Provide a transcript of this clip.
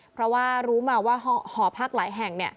เพราะว่ารู้มาว่าหอพักหลายแห่ง